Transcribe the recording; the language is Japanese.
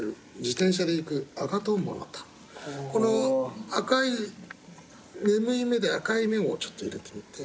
この赤い眠い目で赤い面をちょっと入れてみて。